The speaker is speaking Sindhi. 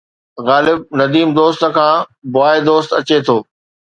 غالب! نديم دوست کان بواءِ دوست اچي ٿو